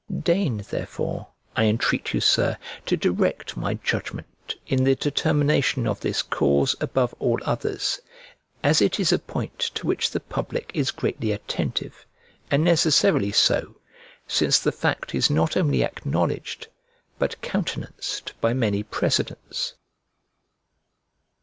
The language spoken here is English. Deign, therefore, I entreat you, Sir, to direct my judgment in the determination of this cause above all others as it is a point to which the public is greatly attentive, and necessarily so, since the fact is not only acknowledged, but countenanced by many precedents.